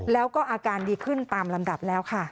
แล้วก็อาการดีขึ้นตามลำดับแล้วค่ะ